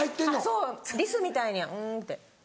そうリスみたいにんって。